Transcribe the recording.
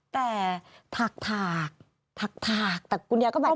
แต่ถากแต่คุณยายาก็บาดเจ็บนะ